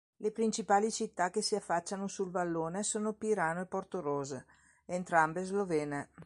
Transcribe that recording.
Le principali città che si affacciano sul vallone sono Pirano e Portorose, entrambe slovene.